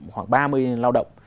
khoảng ba mươi lao động